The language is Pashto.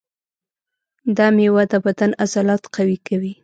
دا مېوه د بدن عضلات قوي کوي.